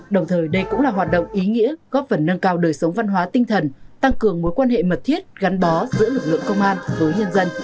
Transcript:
đồng thời đây cũng là hoạt động ý nghĩa góp phần nâng cao đời sống văn hóa tinh thần tăng cường mối quan hệ mật thiết gắn bó giữa lực lượng công an với nhân dân